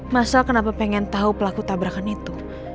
mas al kenapa pengen tau pelaku tabrakan itu